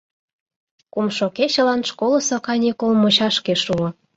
Кумшо кечылан школысо каникул мучашке шуо.